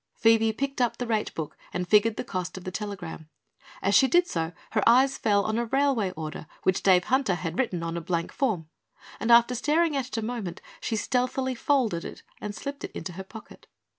Phoebe picked up the rate book and figured the cost of the telegram. As she did so her eyes fell on a railway order which Dave Hunter had written on a blank form and after staring at it a moment she stealthily folded it and slipped it into her pocket.